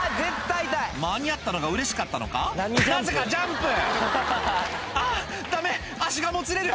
間に合ったのがうれしかったのかなぜかジャンプ「あぁダメ足がもつれる！